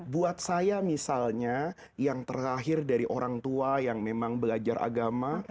buat saya misalnya yang terlahir dari orang tua yang memang belajar agama